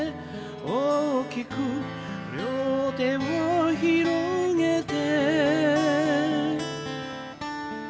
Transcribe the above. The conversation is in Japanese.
「大きく両手を拡げて」